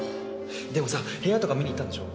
でもさ部屋とか見に行ったんでしょ？